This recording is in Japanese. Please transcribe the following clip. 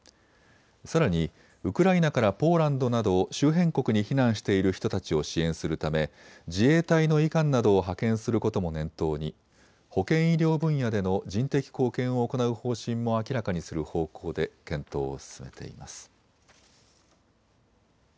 さらにウクライナからポーランドなど周辺国に避難している人たちを支援するため自衛隊の医官などを派遣することも念頭に保健医療分野での人的貢献を行う方針も明らかにする方向で検討を進めています。